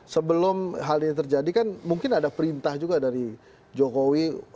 sebelum hal ini terjadi kan mungkin ada perintah juga dari jokowi